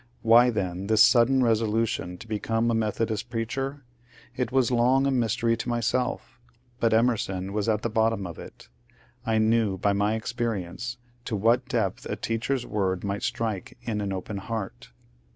Why then this sudden resolution to become a Methodist preacher ? It was long a mystery to myself, but Emerson was at the bottom of it. I knew by my experience to what depth a teacher's word might strike in an open heart.